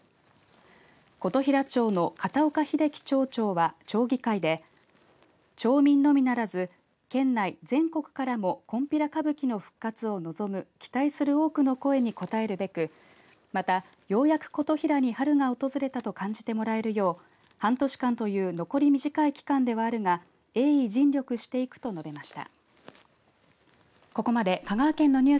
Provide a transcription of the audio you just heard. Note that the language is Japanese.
琴平町の片岡英樹町長は町議会で町民のみならず全国からも、こんぴら歌舞伎の復活を望む期待する多くの声に応えるべくまたようやく琴平に春が訪れたと感じてもらえるよう半年間という残り短い時間ではあるが鋭意尽力していくと述べました。